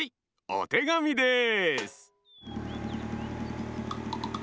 おてがみです。